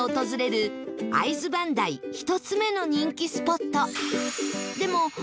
会津磐梯１つ目の人気スポット